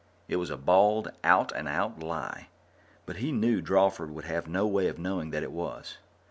It was a bald, out and out lie, but he knew Drawford would have no way of knowing that it was.